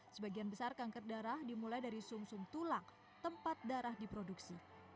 sebagian besar kanker darah dimulai dari sum sum tulang tempat darah diproduksi